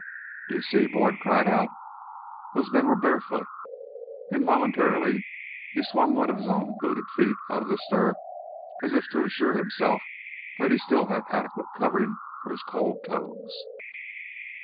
"D'you see?" Boyd cried out. "Those men were barefoot!" Involuntarily he swung one of his own booted feet out of the stirrup as if to assure himself that he still had adequate covering for his cold toes.